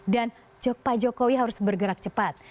dan pak jokowi harus bergerak cepat